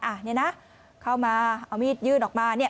อ่ะเนี่ยนะเข้ามาเอามีดยื่นออกมาเนี่ย